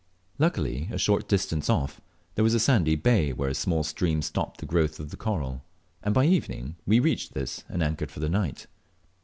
Luckily, a short distance off there was a sandy bay, where a small stream stopped the growth of the coral; and by evening we reached this and anchored for the night.